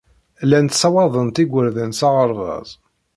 Llant ssawaḍent igerdan s aɣerbaz.